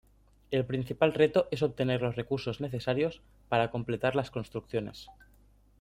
El principal reto es obtener los recursos necesarios para completar las construcciones.